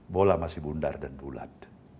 bola masih bundar dan bulat